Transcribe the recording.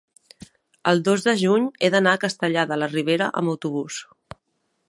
el dos de juny he d'anar a Castellar de la Ribera amb autobús.